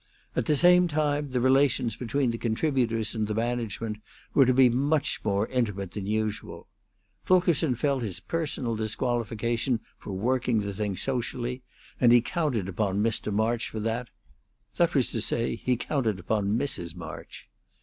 At the same time the relations between the contributors and the management were to be much more, intimate than usual. Fulkerson felt his personal disqualification for working the thing socially, and he counted upon Mr. March for that; that was to say, he counted upon Mrs. March.